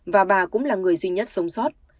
và bà cũng là người duy nhất sống sót